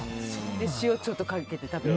塩ちょっとかけて食べて。